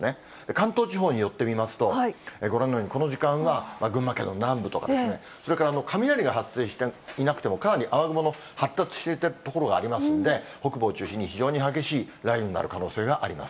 関東地方に寄ってみますと、ご覧のように、この時間は群馬県の南部とか、それから雷が発生していなくても、かなり雨雲の発達している所がありますんで、北部を中心に非常に激しい雷雨になる可能性があります。